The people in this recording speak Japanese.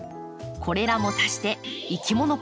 これらも足していきもの